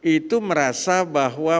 itu merasa bahwa